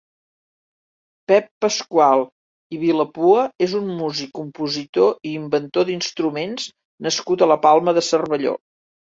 Pep Pascual i Vilapua és un músic, compositor i inventor d'instruments nascut a la Palma de Cervelló.